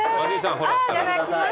いただきます。